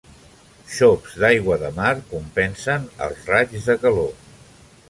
Xops d'aigua de mar compensen els raigs de calor.